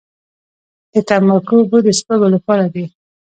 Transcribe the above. د تنباکو اوبه د سپږو لپاره دي؟